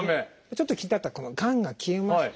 ちょっと気になったこの「がんが消えました」